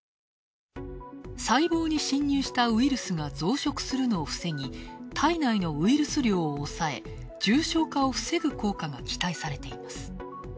細胞に侵入したウイルスが増殖するのを防ぎ、体内のウイルス量を抑え重症化を防ぐ効果が期待されています。